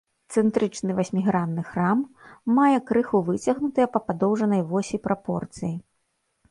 Цэнтрычны васьмігранны храм мае крыху выцягнутыя па падоўжанай восі прапорцыі.